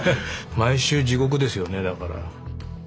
毎週地獄ですよねだから。